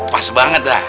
pas banget lah